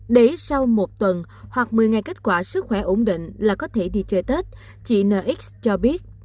để sau một tuần hoặc một mươi ngày kết quả sức khỏe ổn định là có thể đi chơi tết chị nx cho biết